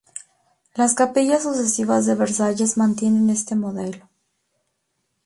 Las capillas sucesivas de Versalles mantienen este modelo.